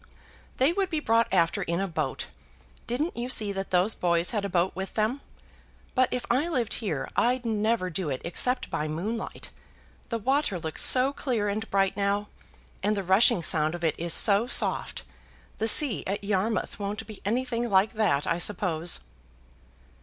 "They would be brought after in a boat. Didn't you see that those boys had a boat with them? But if I lived here, I'd never do it except by moonlight. The water looks so clear and bright now, and the rushing sound of it is so soft! The sea at Yarmouth won't be anything like that I suppose."